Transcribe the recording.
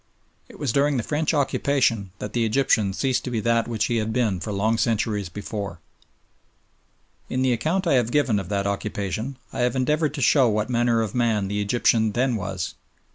It was during the French occupation that the Egyptian ceased to be that which he had been for long centuries before. In the account I have given of that occupation, I have endeavoured to show what manner of man the Egyptian then was.